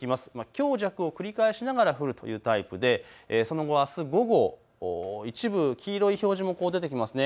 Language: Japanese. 強弱を繰り返しながら降るというタイプでその後、あす午後、一部黄色い表示も出てきますね。